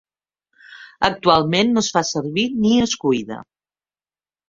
Actualment no es fa servir ni es cuida.